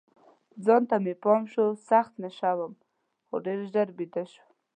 ځان ته مې پام شو، سخت نشه وم، خو ډېر ژر بیده شوم.